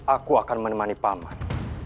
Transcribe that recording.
aku akan menemani pak man